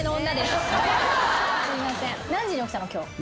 すいません。